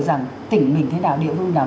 rằng tỉnh mình thế nào địa phương nào